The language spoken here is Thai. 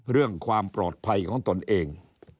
เรื่องความปลอดภัยของตนเอง